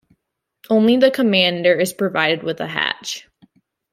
Only the commander is provided with a hatch.